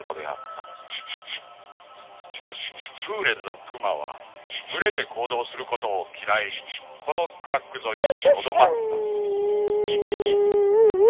［しかし風連のクマは群れで行動することを嫌いこのクラック沿いにとどまった］